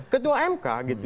ketua mk gitu